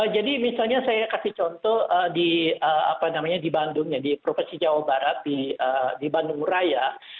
jadi misalnya saya kasih contoh di bandung di provinsi jawa barat di bandung raya